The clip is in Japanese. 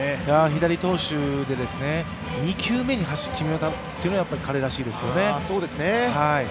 左投手で、２球目に走って決めたというのが彼らしいですよね。